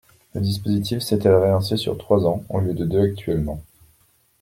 Le dispositif s’étalerait ainsi sur trois ans, au lieu de deux actuellement.